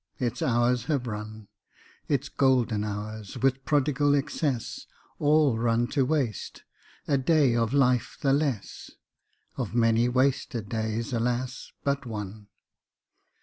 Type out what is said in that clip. Its hours have run, Its golden hours, with prodigal excess, All run to waste. A day of life the less; Of many wasted days, alas, but one!